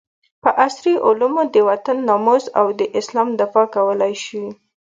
په عصري علومو د وطن ناموس او د اسلام دفاع کولي شو